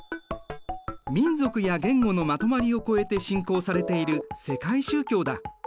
民族や言語のまとまりを超えて信仰されている世界宗教だ。